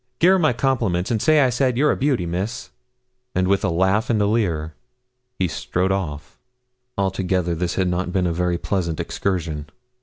Gi'e her my compliments, and say I said you're a beauty, Miss;' and with a laugh and a leer he strode off. Altogether this had not been a very pleasant excursion.